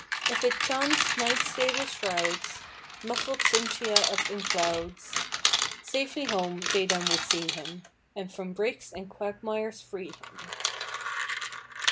If it chanc'd night's sable shrowds Muffled Cynthia up in clowds, Safely home they then would see him, And from brakes and quagmires free him."